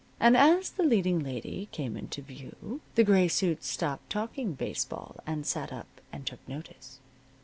And as the leading lady came into view the gray suits stopped talking baseball and sat up and took notice.